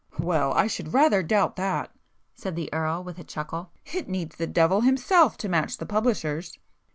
"Well I should rather doubt that,"—said the Earl with a chuckle. "It needs the devil himself to match the publishers."